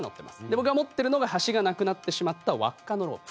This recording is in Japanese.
僕が持ってるのが端がなくなってしまった輪っかのロープ。